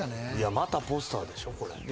またポスターでしょこれ。